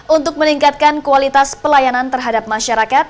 untuk meningkatkan kualitas pelayanan terhadap masyarakat